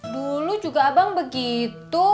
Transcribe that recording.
dulu juga bang begitu